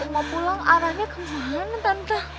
mau pulang arahnya kemana tante